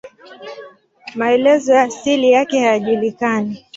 Maelezo ya asili yake hayajulikani.